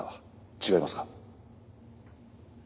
違いますか？